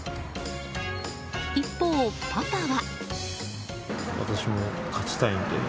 一方、パパは。